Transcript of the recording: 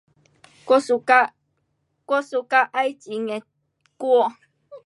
我 suka, 我 suka 爱情的歌。